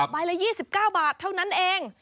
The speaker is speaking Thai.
ใบละ๒๙บาทเท่านั้นเอง